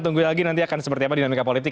tunggu lagi nanti akan seperti apa dinamika politik